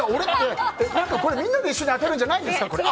みんなで一緒に当てるんじゃないんですか。